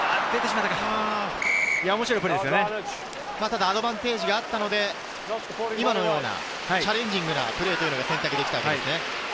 ただアドバンテージがあったので、今のようなチャレンジングなプレーが選択できたわけですね。